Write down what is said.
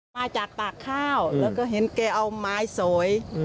มาจากปากข้าวแล้วก็เห็นแกเอาไม้โสย